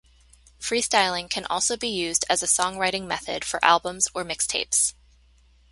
Freestyling can also be used as a songwriting method for albums or mixtapes.